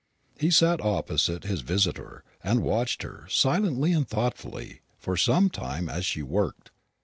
He sat opposite his visitor, and watched her, silently and thoughtfully, for some time as she worked.